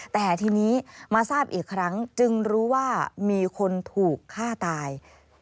แต่ทีนี้มาทราบอีกครั้งจึงรู้ว่ามีคนถูกฆ่าตาย